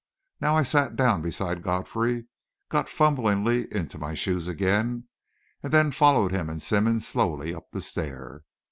Now I sat down beside Godfrey, got fumblingly into my shoes again, and then followed him and Simmonds slowly up the stair.